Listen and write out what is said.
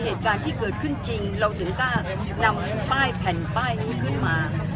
เหตุการณ์ที่เกิดขึ้นจริงเราถึงกล้านำป้ายแผ่นป้ายนี้ขึ้นมา